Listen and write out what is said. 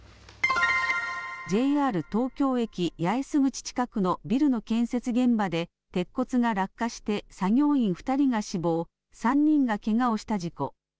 ＪＲ東京駅八重洲口近くのビルの建設現場で鉄骨が落下して作業員２人が死亡、３人がけがをした事故。